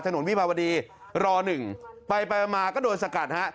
ถนนวิบาวดีรอหนึ่งไปมาก็โดนสกัดฮะ